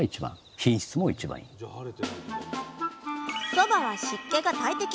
そばは湿気が大敵。